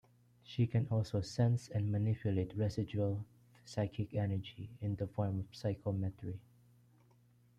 She can also sense and manipulate residual psychic energy in the form of psychometry.